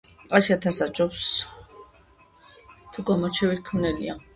ასი ათასსა აჯობებს, თუ გამორჩევით მქმნელია